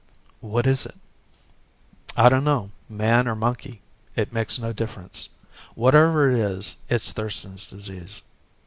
"What is it?" "I don't know man or monkey, it makes no difference. Whatever it is, it's Thurston's Disease.